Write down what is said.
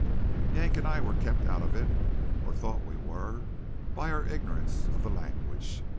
Yank and I were kept out of it, or thought we were, by our ignorance of the language.